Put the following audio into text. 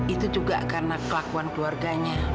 itu juga karena kelakuan keluarganya